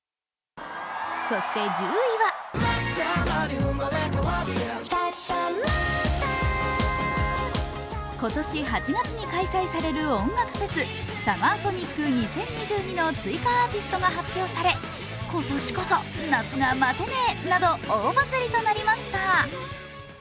そして１０位は今年８月に開催される音楽フェス、ＳＵＭＭＥＲＳＯＮＩＣ２０２２の追加アーティストが発表され今年こそ、夏が待てねぇなど大バズりとなりました。